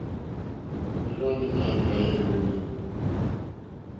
Ìrzɔ́ ndí mǎjǎ éělélé.